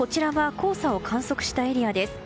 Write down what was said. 黄砂を観測したエリアです。